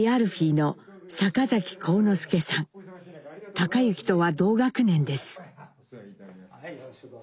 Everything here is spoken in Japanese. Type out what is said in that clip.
隆之とは同学年です。